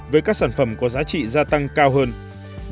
với các sản phẩm có giá trị gia tăng tương lai